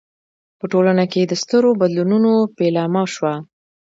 په ټولنه کې د سترو بدلونونو پیلامه شوه.